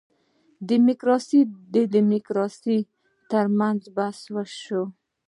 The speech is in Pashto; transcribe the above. دیموکراسي دیموکراسي تر منځ بحثونه شوي.